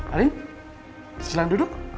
ari silahkan duduk